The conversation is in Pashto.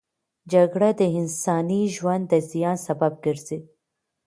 جګړه د انساني ژوند د زیان سبب ګرځي.